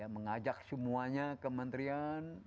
mengajak semuanya ke menterian